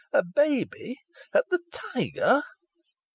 A baby at the Tiger!